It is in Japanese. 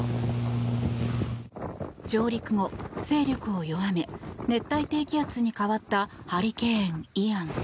上陸後、勢力を弱め熱帯低気圧に変わったハリケーン、イアン。